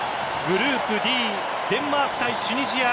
グループＤデンマーク対チュニジア